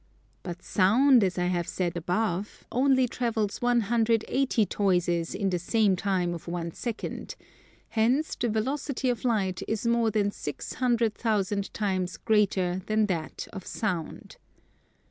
But Sound, as I have said above, only travels 180 toises in the same time of one second: hence the velocity of Light is more than six hundred thousand times greater than that of Sound.